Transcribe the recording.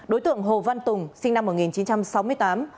đối tượng hồ văn tùng sinh năm một nghìn chín trăm sáu mươi tám